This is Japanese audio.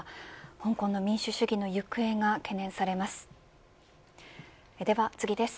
香港の民主主義の行方が懸念されます。